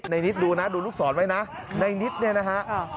นิดดูนะดูลูกศรไว้นะในนิดเนี่ยนะฮะ